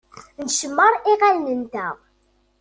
Ncemmeṛ iɣallen-nteɣ.